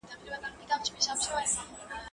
دا زدکړه له هغه ګټوره ده!.